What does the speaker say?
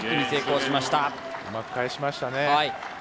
うまく返しましたね。